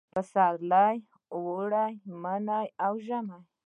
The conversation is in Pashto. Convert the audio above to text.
پسرلي، اوړي، مني او ژمي